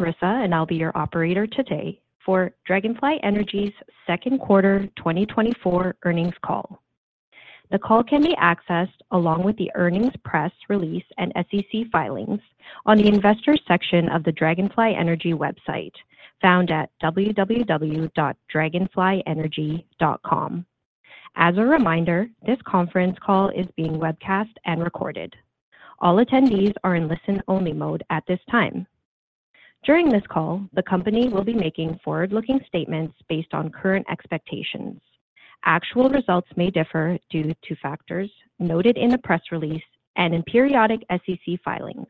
Marissa, and I'll be your operator today for Dragonfly Energy's Second Quarter 2024 Earnings Call. The call can be accessed along with the earnings press release and SEC filings on the investor section of the Dragonfly Energy website, found at www.dragonflyenergy.com. As a reminder, this conference call is being webcast and recorded. All attendees are in listen-only mode at this time. During this call, the company will be making forward-looking statements based on current expectations. Actual results may differ due to factors noted in the press release and in periodic SEC filings.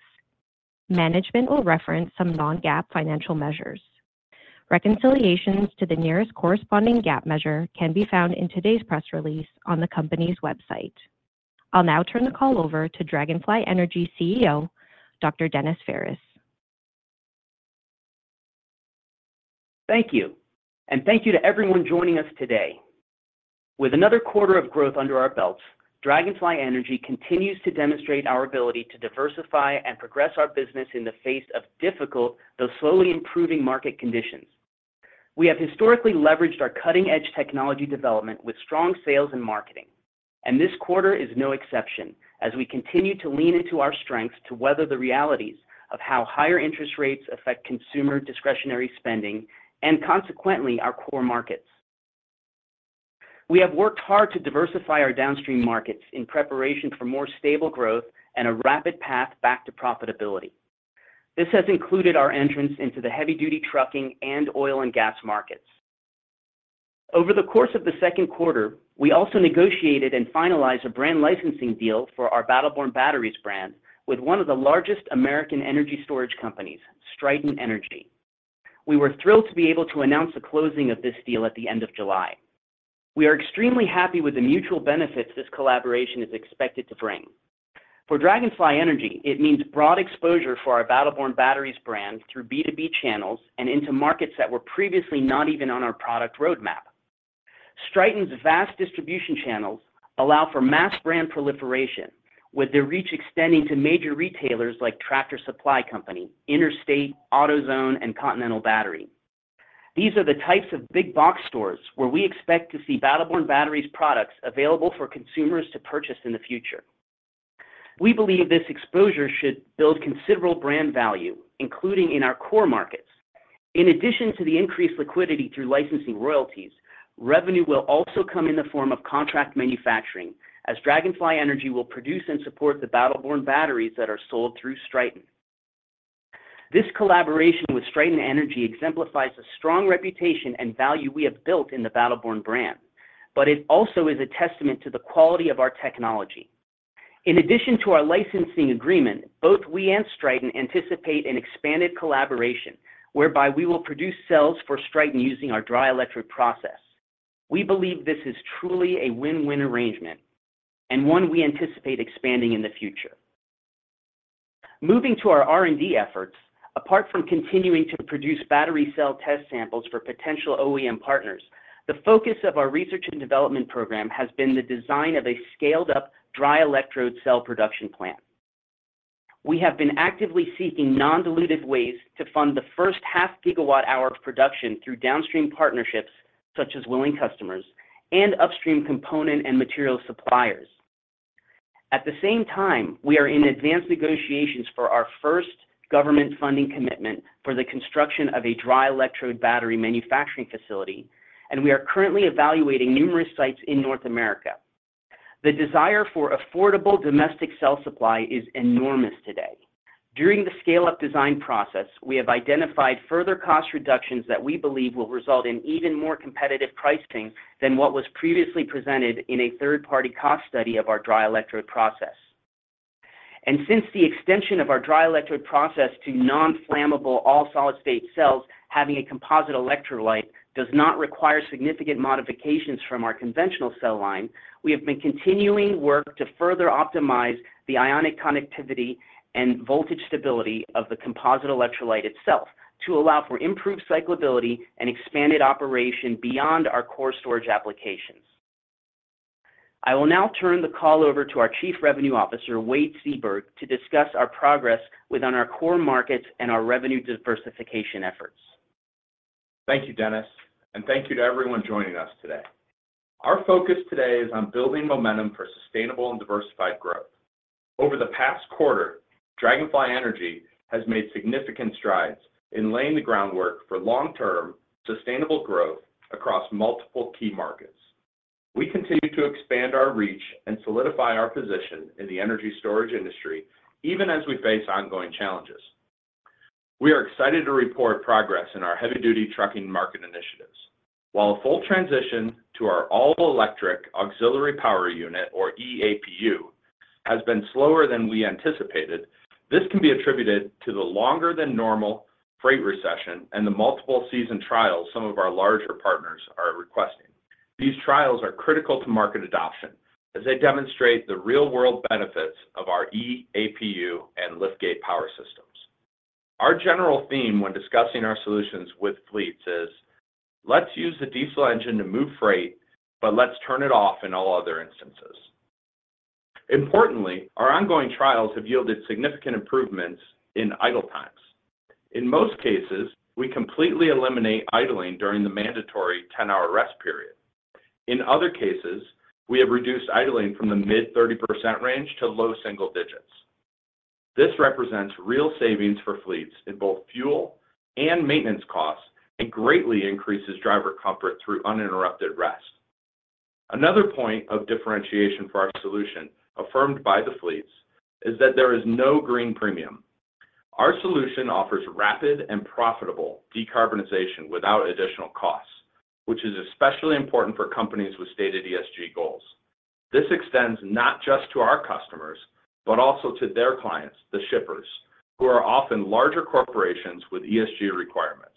Management will reference some non-GAAP financial measures. Reconciliations to the nearest corresponding GAAP measure can be found in today's press release on the company's website. I'll now turn the call over to Dragonfly Energy CEO, Dr. Denis Phares. Thank you, and thank you to everyone joining us today. With another quarter of growth under our belts, Dragonfly Energy continues to demonstrate our ability to diversify and progress our business in the face of difficult, though slowly improving, market conditions. We have historically leveraged our cutting-edge technology development with strong sales and marketing, and this quarter is no exception as we continue to lean into our strengths to weather the realities of how higher interest rates affect consumer discretionary spending and consequently, our core markets. We have worked hard to diversify our downstream markets in preparation for more stable growth and a rapid path back to profitability. This has included our entrance into the heavy-duty trucking and oil and gas markets. Over the course of the second quarter, we also negotiated and finalized a brand licensing deal for our Battle Born Batteries brand with one of the largest American energy storage companies, Stryten Energy. We were thrilled to be able to announce the closing of this deal at the end of July. We are extremely happy with the mutual benefits this collaboration is expected to bring. For Dragonfly Energy, it means broad exposure for our Battle Born Batteries brand through B2B channels and into markets that were previously not even on our product roadmap. Stryten's vast distribution channels allow for mass brand proliferation, with their reach extending to major retailers like Tractor Supply Company, Interstate, AutoZone, and Continental Battery. These are the types of big box stores where we expect to see Battle Born Batteries products available for consumers to purchase in the future. We believe this exposure should build considerable brand value, including in our core markets. In addition to the increased liquidity through licensing royalties, revenue will also come in the form of contract manufacturing, as Dragonfly Energy will produce and support the Battle Born Batteries that are sold through Stryten. This collaboration with Stryten Energy exemplifies a strong reputation and value we have built in the Battle Born brand, but it also is a testament to the quality of our technology. In addition to our licensing agreement, both we and Stryten anticipate an expanded collaboration whereby we will produce cells for Stryten using our dry electrode process. We believe this is truly a win-win arrangement and one we anticipate expanding in the future. Moving to our R&D efforts, apart from continuing to produce battery cell test samples for potential OEM partners, the focus of our research and development program has been the design of a scaled-up dry electrode cell production plant. We have been actively seeking non-dilutive ways to fund the first 0.5 GWh of production through downstream partnerships, such as willing customers and upstream component and material suppliers. At the same time, we are in advanced negotiations for our first government funding commitment for the construction of a dry electrode battery manufacturing facility, and we are currently evaluating numerous sites in North America. The desire for affordable domestic cell supply is enormous today. During the scale-up design process, we have identified further cost reductions that we believe will result in even more competitive pricing than what was previously presented in a third-party cost study of our dry electrode process. Since the extension of our dry electrode process to non-flammable, all-solid-state cells, having a composite electrolyte does not require significant modifications from our conventional cell line. We have been continuing work to further optimize the ionic connectivity and voltage stability of the composite electrolyte itself to allow for improved cycle ability and expanded operation beyond our core storage applications. I will now turn the call over to our Chief Revenue Officer, Wade Seaberg, to discuss our progress within our core markets and our revenue diversification efforts. Thank you, Denis, and thank you to everyone joining us today. Our focus today is on building momentum for sustainable and diversified growth. Over the past quarter, Dragonfly Energy has made significant strides in laying the groundwork for long-term, sustainable growth across multiple key markets. We continue to expand our reach and solidify our position in the energy storage industry, even as we face ongoing challenges. We are excited to report progress in our heavy-duty trucking market initiatives. While a full transition to our all-electric auxiliary power unit, or eAPU, has been slower than we anticipated, this can be attributed to the longer than normal freight recession and the multiple season trials some of our larger partners are requesting. These trials are critical to market adoption as they demonstrate the real-world benefits of our eAPU and liftgate power systems. Our general theme when discussing our solutions with fleets is: let's use the diesel engine to move freight, but let's turn it off in all other instances. Importantly, our ongoing trials have yielded significant improvements in idle times. In most cases, we completely eliminate idling during the mandatory 10-hour rest period. In other cases, we have reduced idling from the mid-30% range to low single digits. This represents real savings for fleets in both fuel and maintenance costs, and greatly increases driver comfort through uninterrupted rest. Another point of differentiation for our solution, affirmed by the fleets, is that there is no green premium. Our solution offers rapid and profitable decarbonization without additional costs, which is especially important for companies with stated ESG goals. This extends not just to our customers, but also to their clients, the shippers, who are often larger corporations with ESG requirements.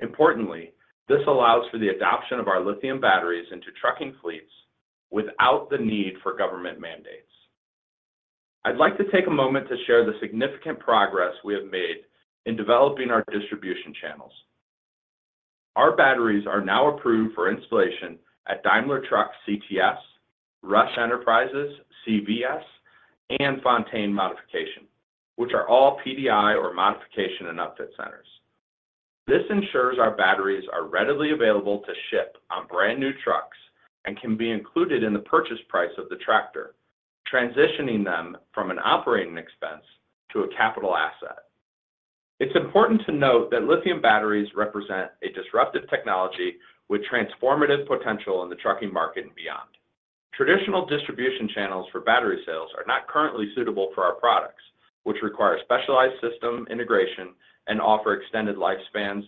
Importantly, this allows for the adoption of our lithium batteries into trucking fleets without the need for government mandates. I'd like to take a moment to share the significant progress we have made in developing our distribution channels. Our batteries are now approved for installation at Daimler Truck TCs, Rush Enterprises, CVS, and Fontaine Modification, which are all PDI or modification and upfit centers. This ensures our batteries are readily available to ship on brand-new trucks and can be included in the purchase price of the tractor, transitioning them from an operating expense to a capital asset. It's important to note that lithium batteries represent a disruptive technology with transformative potential in the trucking market and beyond. Traditional distribution channels for battery sales are not currently suitable for our products, which require specialized system integration and offer extended lifespans,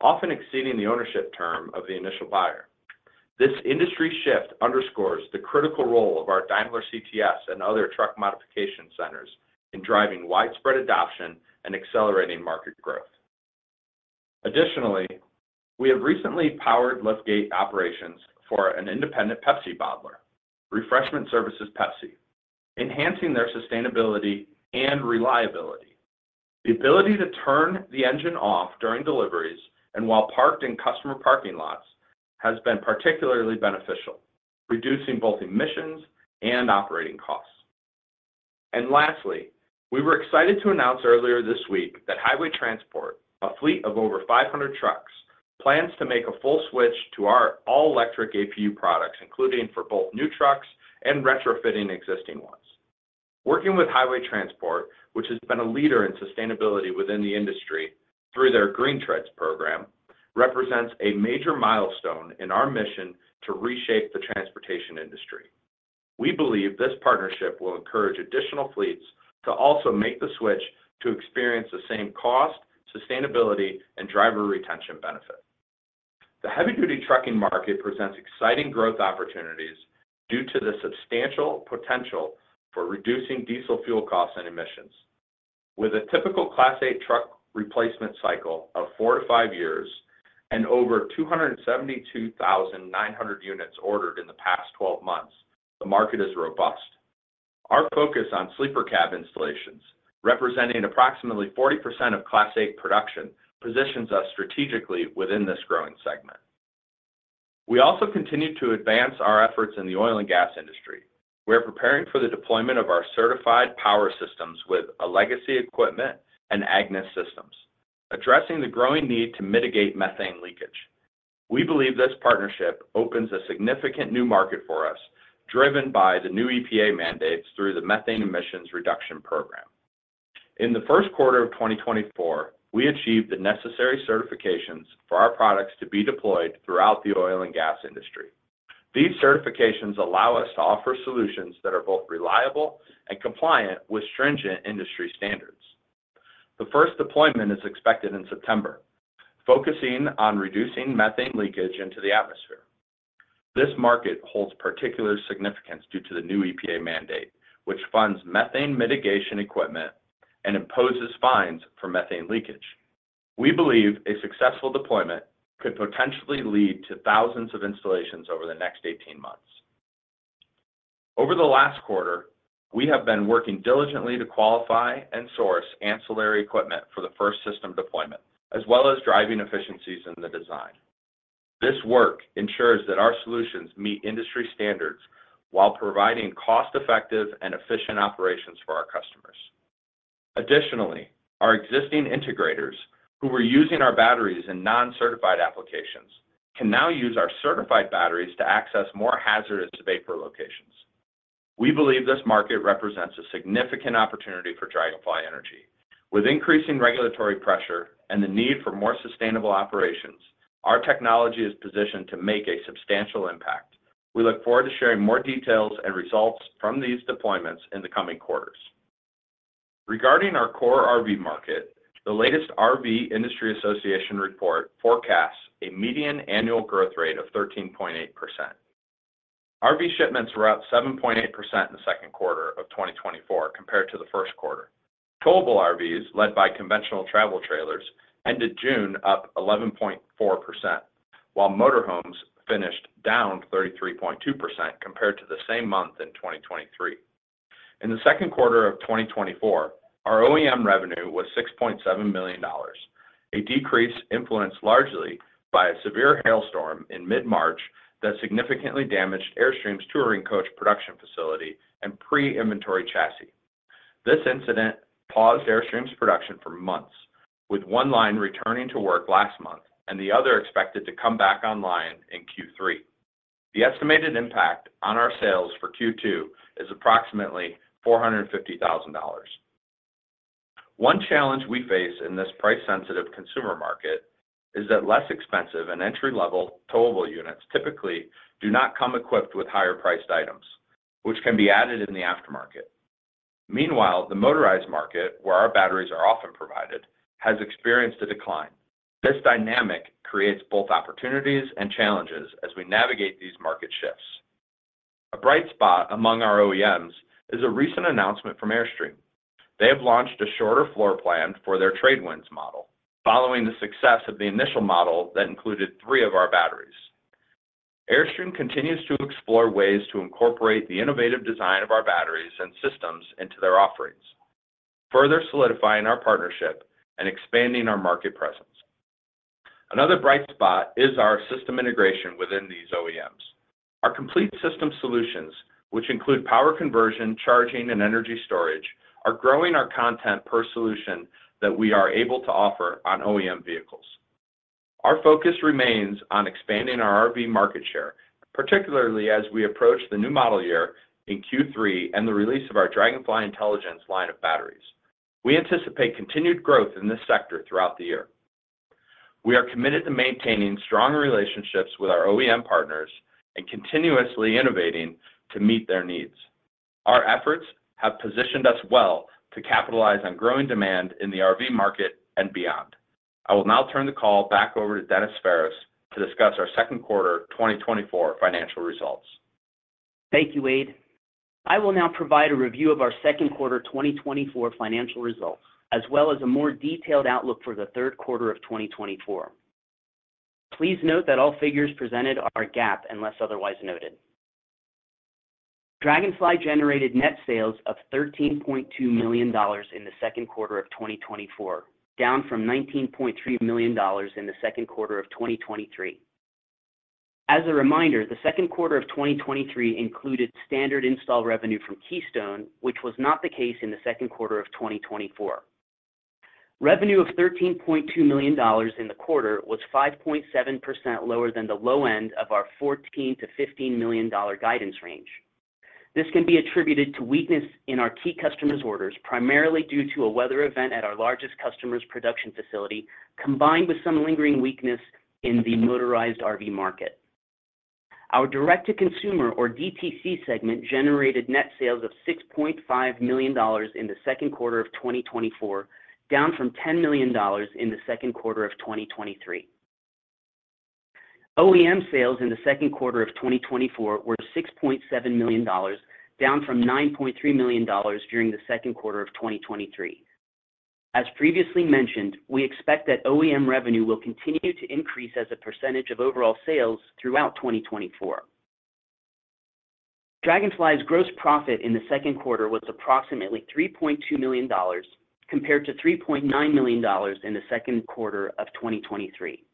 often exceeding the ownership term of the initial buyer. This industry shift underscores the critical role of our Daimler CTS and other truck modification centers in driving widespread adoption and accelerating market growth. Additionally, we have recently powered liftgate operations for an independent Pepsi bottler, Refreshment Services Pepsi, enhancing their sustainability and reliability. The ability to turn the engine off during deliveries and while parked in customer parking lots has been particularly beneficial, reducing both emissions and operating costs. Lastly, we were excited to announce earlier this week that Highway Transport, a fleet of over 500 trucks, plans to make a full switch to our all-electric APU products, including for both new trucks and retrofitting existing ones. Working with Highway Transport, which has been a leader in sustainability within the industry through their Green Treads program, represents a major milestone in our mission to reshape the transportation industry. We believe this partnership will encourage additional fleets to also make the switch to experience the same cost, sustainability, and driver retention benefit. The heavy-duty trucking market presents exciting growth opportunities due to the substantial potential for reducing diesel fuel costs and emissions. With a typical Class 8 truck replacement cycle of 4 years-5 years and over 272,900 units ordered in the past 12 months, the market is robust. Our focus on sleeper cab installations, representing approximately 40% of Class 8 production, positions us strategically within this growing segment. We also continue to advance our efforts in the oil and gas industry. We are preparing for the deployment of our certified power systems with Aletheia Systems and Ignis Systems, addressing the growing need to mitigate methane leakage. We believe this partnership opens a significant new market for us, driven by the new EPA mandates through the Methane Emissions Reduction Program. In the first quarter of 2024, we achieved the necessary certifications for our products to be deployed throughout the oil and gas industry. These certifications allow us to offer solutions that are both reliable and compliant with stringent industry standards. The first deployment is expected in September, focusing on reducing methane leakage into the atmosphere. This market holds particular significance due to the new EPA mandate, which funds methane mitigation equipment and imposes fines for methane leakage. We believe a successful deployment could potentially lead to thousands of installations over the next 18 months. Over the last quarter, we have been working diligently to qualify and source ancillary equipment for the first system deployment, as well as driving efficiencies in the design. This work ensures that our solutions meet industry standards while providing cost-effective and efficient operations for our customers. Additionally, our existing integrators, who were using our batteries in non-certified applications, can now use our certified batteries to access more hazardous vapor locations. We believe this market represents a significant opportunity for Dragonfly Energy. With increasing regulatory pressure and the need for more sustainable operations, our technology is positioned to make a substantial impact. We look forward to sharing more details and results from these deployments in the coming quarters. Regarding our core RV market, the latest RV Industry Association report forecasts a median annual growth rate of 13.8%. RV shipments were up 7.8% in the second quarter of 2024 compared to the first quarter. Towable RVs, led by conventional travel trailers, ended June up 11.4%, while motor homes finished down 33.2% compared to the same month in 2023. In the second quarter of 2024, our OEM revenue was $6.7 million. A decrease influenced largely by a severe hailstorm in mid-March that significantly damaged Airstream's touring coach production facility and pre-inventory chassis. This incident paused Airstream's production for months, with one line returning to work last month and the other expected to come back online in Q3. The estimated impact on our sales for Q2 is approximately $450,000. One challenge we face in this price-sensitive consumer market is that less expensive and entry-level towable units typically do not come equipped with higher priced items, which can be added in the aftermarket. Meanwhile, the motorized market, where our batteries are often provided, has experienced a decline. This dynamic creates both opportunities and challenges as we navigate these market shifts. A bright spot among our OEMs is a recent announcement from Airstream. They have launched a shorter floor plan for their Trade Wind model, following the success of the initial model that included three of our batteries. Airstream continues to explore ways to incorporate the innovative design of our batteries and systems into their offerings, further solidifying our partnership and expanding our market presence. Another bright spot is our system integration within these OEMs. Our complete system solutions, which include power conversion, charging, and energy storage, are growing our content per solution that we are able to offer on OEM vehicles. Our focus remains on expanding our RV market share, particularly as we approach the new model year in Q3 and the release of our Dragonfly Intelligence line of batteries. We anticipate continued growth in this sector throughout the year. We are committed to maintaining strong relationships with our OEM partners and continuously innovating to meet their needs. Our efforts have positioned us well to capitalize on growing demand in the RV market and beyond. I will now turn the call back over to Denis Phares to discuss our second quarter 2024 financial results. Thank you, Wade. I will now provide a review of our second quarter 2024 financial results, as well as a more detailed outlook for the third quarter of 2024. Please note that all figures presented are GAAP, unless otherwise noted. Dragonfly generated net sales of $13.2 million in the second quarter of 2024, down from $19.3 million in the second quarter of 2023. As a reminder, the second quarter of 2023 included standard install revenue from Keystone, which was not the case in the second quarter of 2024. Revenue of $13.2 million in the quarter was 5.7% lower than the low end of our $14 million-$15 million guidance range. This can be attributed to weakness in our key customers' orders, primarily due to a weather event at our largest customer's production facility, combined with some lingering weakness in the motorized RV market. Our direct-to-consumer, or DTC segment, generated net sales of $6.5 million in the second quarter of 2024, down from $10 million in the second quarter of 2023. OEM sales in the second quarter of 2024 were $6.7 million, down from $9.3 million during the second quarter of 2023. As previously mentioned, we expect that OEM revenue will continue to increase as a percentage of overall sales throughout 2024. Dragonfly's gross profit in the second quarter was approximately $3.2 million, compared to $3.9 million in the second quarter of 2023.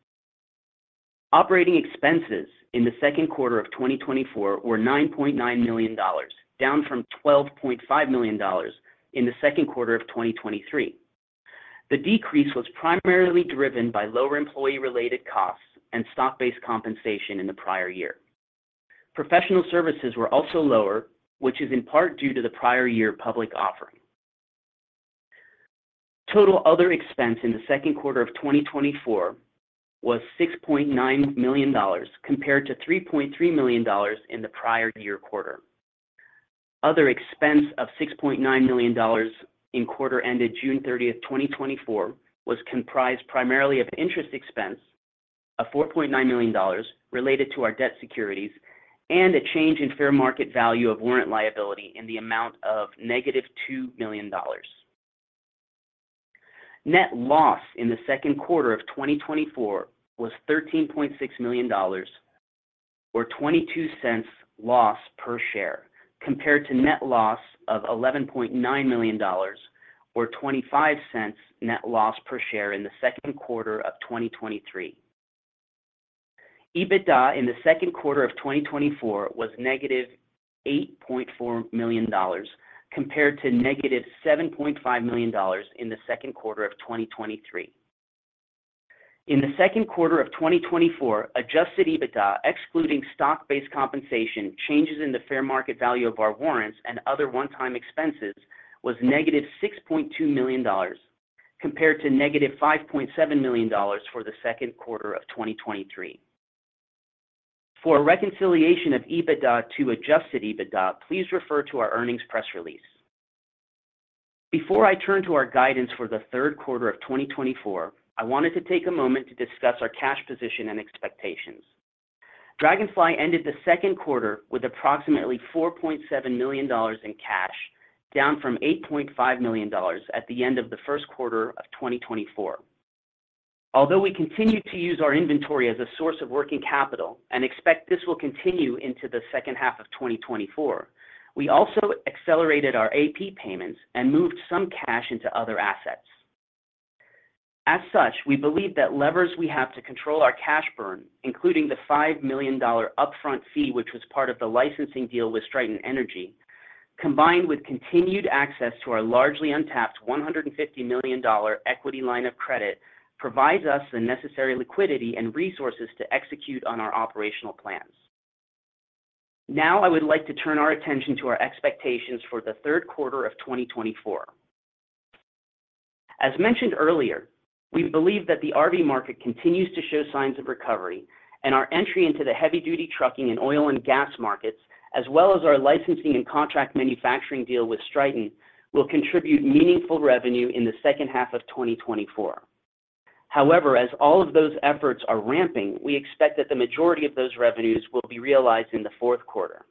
Operating expenses in the second quarter of 2024 were $9.9 million, down from $12.5 million in the second quarter of 2023. The decrease was primarily driven by lower employee-related costs and stock-based compensation in the prior year. Professional services were also lower, which is in part due to the prior year public offering. Total other expense in the second quarter of 2024 was $6.9 million, compared to $3.3 million in the prior year quarter. Other expense of $6.9 million in quarter ended June thirtieth, 2024, was comprised primarily of interest expense of $4.9 million related to our debt securities, and a change in fair market value of warrant liability in the amount of -$2 million. Net loss in the second quarter of 2024 was $13.6 million, or $0.22 loss per share, compared to net loss of $11.9 million or $0.25 net loss per share in the second quarter of 2023. EBITDA in the second quarter of 2024 was -$8.4 million, compared to -$7.5 million in the second quarter of 2023. In the second quarter of 2024, adjusted EBITDA, excluding stock-based compensation, changes in the fair market value of our warrants, and other one-time expenses, was -$6.2 million, compared to -$5.7 million for the second quarter of 2023. For a reconciliation of EBITDA to adjusted EBITDA, please refer to our earnings press release. Before I turn to our guidance for the third quarter of 2024, I wanted to take a moment to discuss our cash position and expectations. Dragonfly ended the second quarter with approximately $4.7 million in cash, down from $8.5 million at the end of the first quarter of 2024. Although we continued to use our inventory as a source of working capital and expect this will continue into the second half of 2024, we also accelerated our AP payments and moved some cash into other assets. As such, we believe that levers we have to control our cash burn, including the $5 million upfront fee, which was part of the licensing deal with Stryten Energy, combined with continued access to our largely untapped $150 million equity line of credit, provides us the necessary liquidity and resources to execute on our operational plans. Now, I would like to turn our attention to our expectations for the third quarter of 2024. As mentioned earlier, we believe that the RV market continues to show signs of recovery, and our entry into the heavy-duty trucking and oil and gas markets, as well as our licensing and contract manufacturing deal with Stryten, will contribute meaningful revenue in the second half of 2024. However, as all of those efforts are ramping, we expect that the majority of those revenues will be realized in the fourth quarter.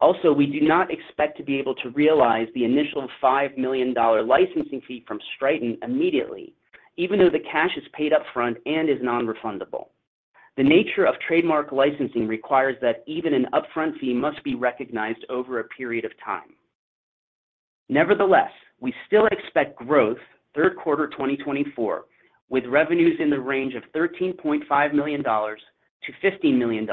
Also, we do not expect to be able to realize the initial $5 million licensing fee from Stryten immediately, even though the cash is paid upfront and is non-refundable. The nature of trademark licensing requires that even an upfront fee must be recognized over a period of time. Nevertheless, we still expect growth third quarter 2024, with revenues in the range of $13.5 million-$15 million,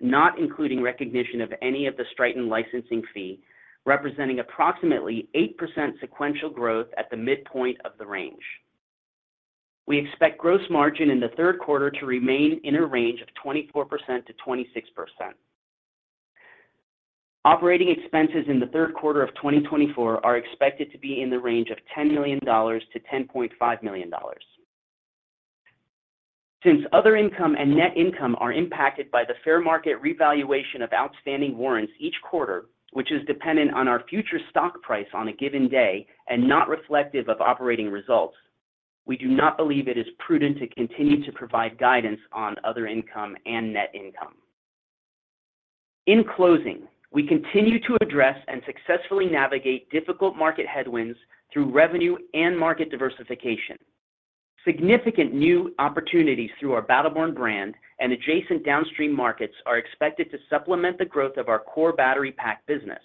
not including recognition of any of the Stryten licensing fee, representing approximately 8% sequential growth at the midpoint of the range. We expect gross margin in the third quarter to remain in a range of 24%-26%. Operating expenses in the third quarter of 2024 are expected to be in the range of $10 million-$10.5 million. Since other income and net income are impacted by the fair market revaluation of outstanding warrants each quarter, which is dependent on our future stock price on a given day and not reflective of operating results, we do not believe it is prudent to continue to provide guidance on other income and net income. In closing, we continue to address and successfully navigate difficult market headwinds through revenue and market diversification. Significant new opportunities through our Battle Born brand and adjacent downstream markets are expected to supplement the growth of our core battery pack business.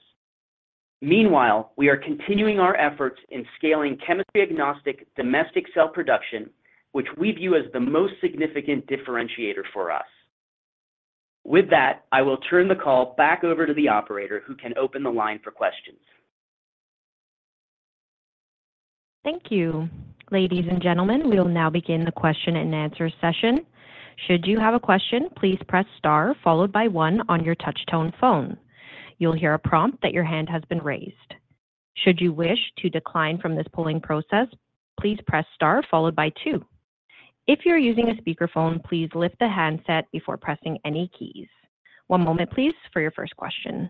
Meanwhile, we are continuing our efforts in scaling chemistry-agnostic domestic cell production, which we view as the most significant differentiator for us. With that, I will turn the call back over to the operator, who can open the line for questions. Thank you. Ladies and gentlemen, we will now begin the question and answer session. Should you have a question, please press star followed by one on your touch-tone phone. You'll hear a prompt that your hand has been raised. Should you wish to decline from this polling process, please press star followed by two. If you're using a speakerphone, please lift the handset before pressing any keys. One moment, please, for your first question.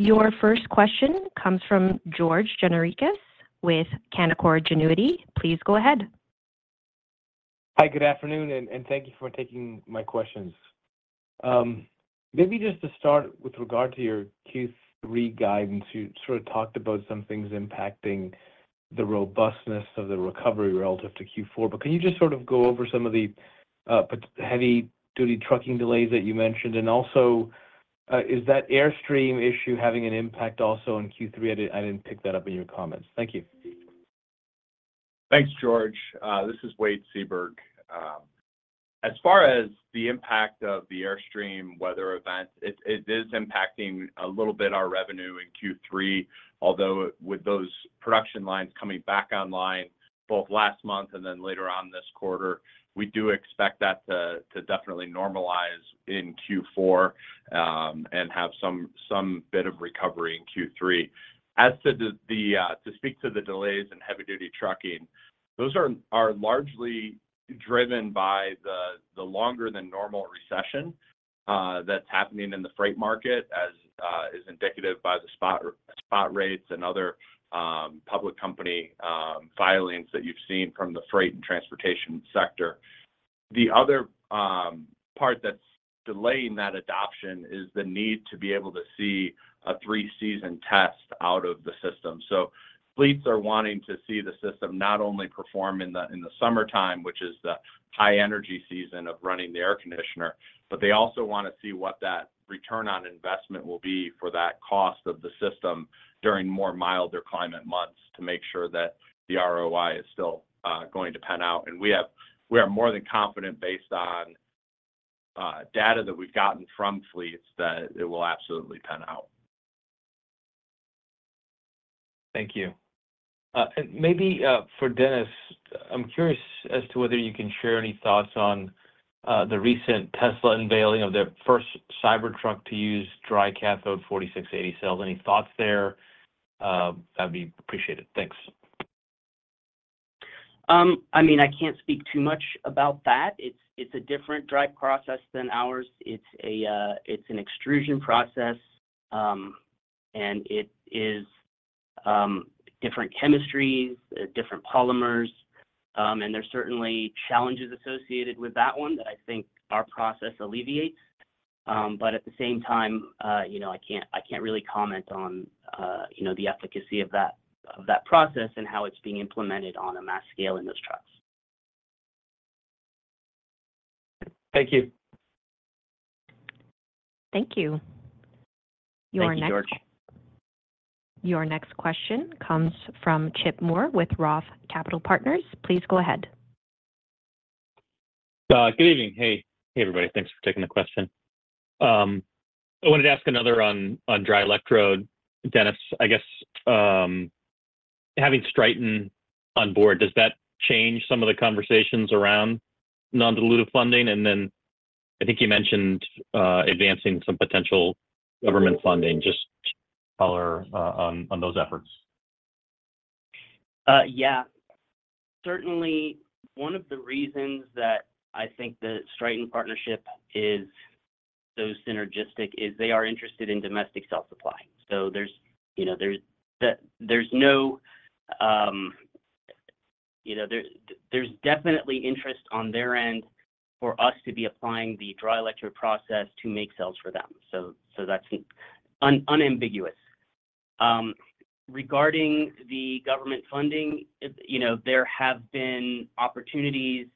Your first question comes from George Gianarikas with Canaccord Genuity. Please go ahead. Hi, good afternoon, and thank you for taking my questions. Maybe just to start with regard to your Q3 guidance, you sort of talked about some things impacting the robustness of the recovery relative to Q4, but can you just sort of go over some of the heavy-duty trucking delays that you mentioned? And also, is that Airstream issue having an impact also on Q3? I didn't pick that up in your comments. Thank you. Thanks, George. This is Wade Seaberg. As far as the impact of the Airstream weather event, it is impacting a little bit our revenue in Q3, although with those production lines coming back online both last month and then later on this quarter, we do expect that to definitely normalize in Q4, and have some bit of recovery in Q3. As to the delays in heavy-duty trucking, those are largely driven by the longer than normal recession that's happening in the freight market, as is indicative by the spot rates and other public company filings that you've seen from the freight and transportation sector. The other part that's delaying that adoption is the need to be able to see a three-season test out of the system. So fleets are wanting to see the system not only perform in the, in the summertime, which is the high energy season of running the air conditioner, but they also want to see what that return on investment will be for that cost of the system during more milder climate months to make sure that the ROI is still going to pan out. And we are more than confident, based on data that we've gotten from fleets, that it will absolutely pan out. Thank you. Maybe, for Denis, I'm curious as to whether you can share any thoughts on the recent Tesla unveiling of their first Cybertruck to use dry electrode 4680 cells. Any thoughts there? That'd be appreciated. Thanks. I mean, I can't speak too much about that. It's a different dry process than ours. It's an extrusion process, and it is different chemistries, different polymers, and there's certainly challenges associated with that one that I think our process alleviates. But at the same time, you know, I can't really comment on, you know, the efficacy of that process and how it's being implemented on a mass scale in those trucks. Thank you. Thank you. Your next- Thank you, George. Your next question comes from Chip Moore with Roth MKM. Please go ahead. Good evening. Hey, hey, everybody. Thanks for taking the question. I wanted to ask another on dry electrode, Denis. I guess, having Stryten on board, does that change some of the conversations around non-dilutive funding? And then I think you mentioned advancing some potential government funding. Just color on those efforts. Yeah. Certainly, one of the reasons that I think the Stryten partnership is so synergistic is they are interested in domestic cell supply. So there's, you know, there's no, you know... There's definitely interest on their end for us to be applying the dry electrode process to make cells for them. So that's unambiguous. Regarding the government funding, you know, there have been opportunities,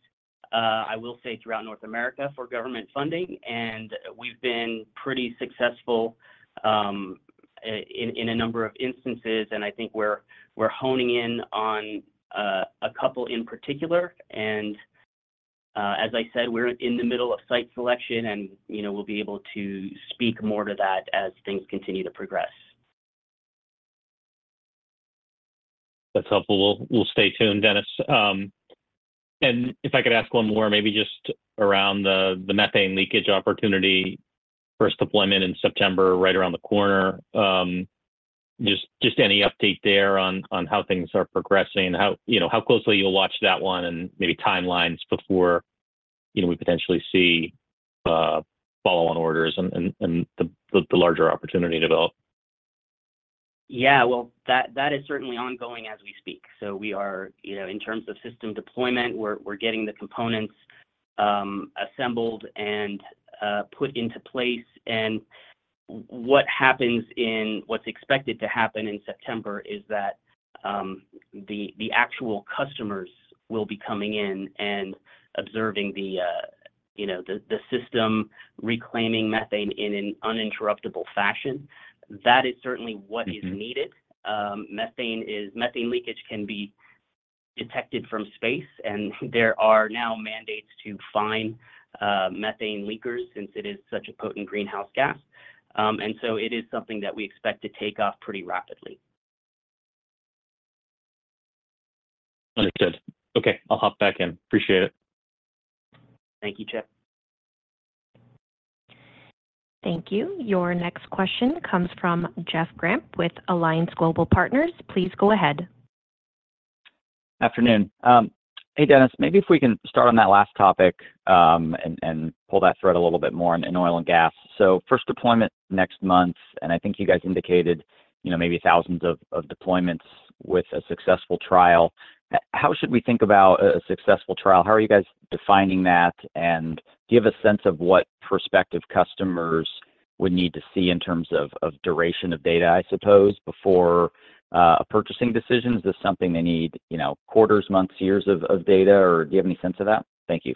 I will say, throughout North America for government funding, and we've been pretty successful, in a number of instances, and I think we're honing in on a couple in particular. And as I said, we're in the middle of site selection and, you know, we'll be able to speak more to that as things continue to progress. That's helpful. We'll stay tuned, Denis. And if I could ask one more, maybe just around the methane leakage opportunity. First deployment in September, right around the corner. Just any update there on how things are progressing? How, you know, how closely you'll watch that one, and maybe timelines before, you know, we potentially see follow-on orders and the larger opportunity develop. Yeah, well, that, that is certainly ongoing as we speak. So we are, you know, in terms of system deployment, we're, we're getting the components assembled and put into place. And what happens in... What's expected to happen in September is that, the actual customers will be coming in and observing the, you know, the system reclaiming methane in an uninterruptible fashion. That is certainly what- Mm-hmm... is needed. Methane leakage can be detected from space, and there are now mandates to fine methane leakers since it is such a potent greenhouse gas. And so it is something that we expect to take off pretty rapidly. Understood. Okay, I'll hop back in. Appreciate it. Thank you, Chip. Thank you. Your next question comes from Jeff Gramp with Alliance Global Partners. Please go ahead. Afternoon. Hey, Denis, maybe if we can start on that last topic, and, and pull that thread a little bit more in, in oil and gas. So first deployment next month, and I think you guys indicated, you know, maybe thousands of, of deployments with a successful trial. How should we think about a, a successful trial? How are you guys defining that? And do you have a sense of what prospective customers would need to see in terms of, of duration of data, I suppose, before a purchasing decision? Is this something they need, you know, quarters, months, years of, of data, or do you have any sense of that? Thank you.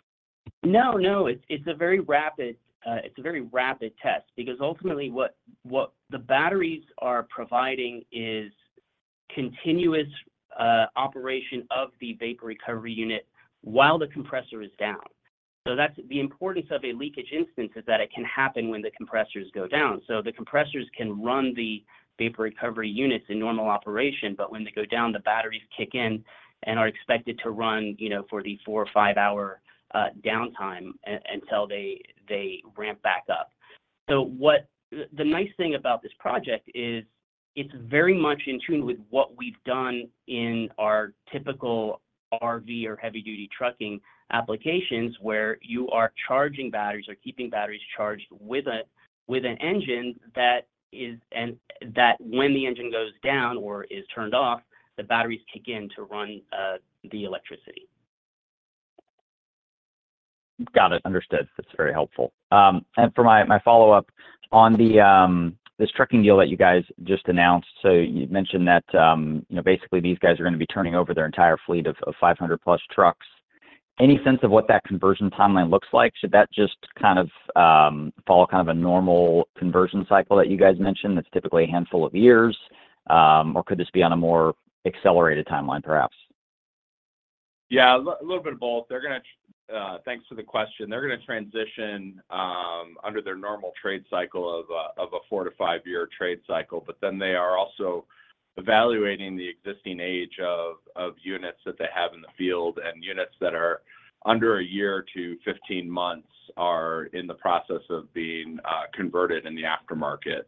No, no, it's a very rapid test because ultimately, what the batteries are providing is continuous operation of the vapor recovery unit while the compressor is down. So that's... The importance of a leakage instance is that it can happen when the compressors go down. So the compressors can run the vapor recovery units in normal operation, but when they go down, the batteries kick in and are expected to run, you know, for the 4- or 5-hour downtime until they ramp back up. The nice thing about this project is it's very much in tune with what we've done in our typical RV or heavy-duty trucking applications, where you are charging batteries or keeping batteries charged with an engine that is, and that when the engine goes down or is turned off, the batteries kick in to run the electricity. Got it. Understood. That's very helpful. And for my follow-up, on this trucking deal that you guys just announced, so you mentioned that, you know, basically these guys are gonna be turning over their entire fleet of 500+ trucks. Any sense of what that conversion timeline looks like? Should that just kind of follow kind of a normal conversion cycle that you guys mentioned, that's typically a handful of years, or could this be on a more accelerated timeline, perhaps? Yeah, a little bit of both. Thanks for the question. They're gonna transition under their normal trade cycle of a 4-year to 5-year trade cycle, but then they are also evaluating the existing age of units that they have in the field, and units that are under a year to 15 months are in the process of being converted in the aftermarket.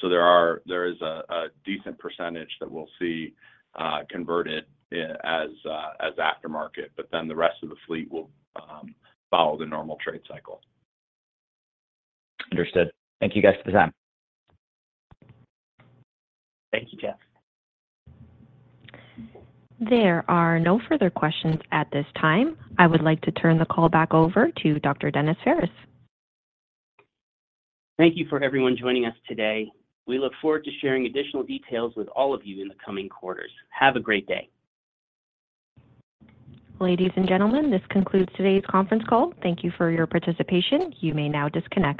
So there is a decent percentage that we'll see converted as aftermarket, but then the rest of the fleet will follow the normal trade cycle. Understood. Thank you guys for the time. Thank you, Jeff. There are no further questions at this time. I would like to turn the call back over to Dr. Denis Phares. Thank you for everyone joining us today. We look forward to sharing additional details with all of you in the coming quarters. Have a great day. Ladies and gentlemen, this concludes today's conference call. Thank you for your participation. You may now disconnect.